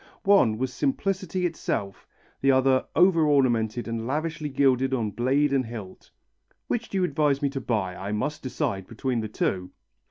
One was simplicity itself, the other over ornamented and lavishly gilded on blade and hilt. "Which do you advise me to buy? I must decide between the two."